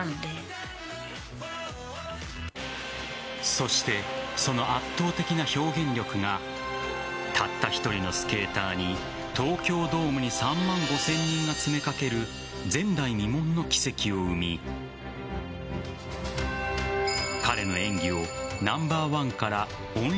そして、その圧倒的な表現力がたった１人のスケーターに東京ドームに３万５０００人が詰めかける前代未聞の奇跡を生み・はいいらっしゃいませ！